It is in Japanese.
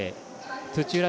土浦